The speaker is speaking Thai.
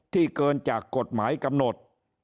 เกินจากกฎหมายกำหนด